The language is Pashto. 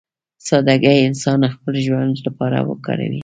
سادهګي انسان خپل ژوند لپاره وکاروي.